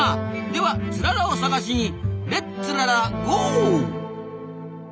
ではツララを探しにレッツララゴー！